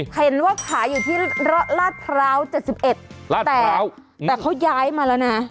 เห็นว่าขายอยู่ที่ลาดพร้าว๗๑ลาดแต่เขาย้ายมาแล้วนะ